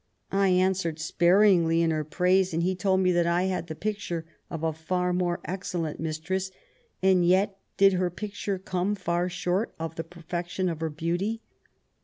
I answered sparingly in her praise, and told him that I had the picture of a far more excellent mistress, and yet did her picture come far short of the perfection of her beauty."